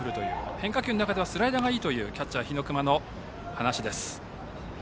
変化球の中ではスライダーがいいというキャッチャー、日隈の話です。